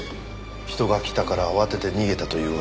人が来たから慌てて逃げたというわけでもないし。